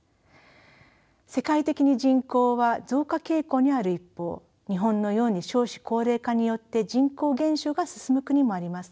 世界的に人口は増加傾向にある一方日本のように少子高齢化によって人口減少が進む国もあります。